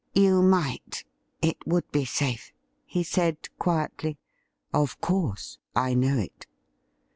' You might — it would be safe,' he said quietly. ' Of com"se, I know it.